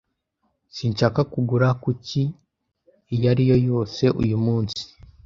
Sinshaka kugura kuki iyo ari yo yose uyu munsi